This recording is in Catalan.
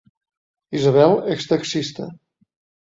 Isabel és taxista